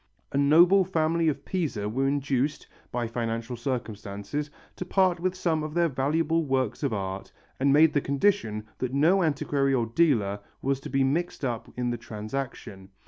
A noble family of Pisa were induced, by financial circumstances, to part with some of their valuable works of art and made the condition that no antiquary or dealer was to be mixed up in the transaction.